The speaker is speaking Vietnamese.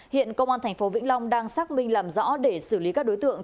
hiện công an thành phố vĩnh long đang xác minh làm rõ để xử lý các đối tượng